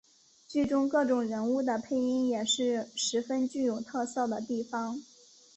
剧中各种人物的配音也是十分具有特色的地方。